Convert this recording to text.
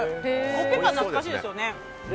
コッペパン、懐かしいですよね。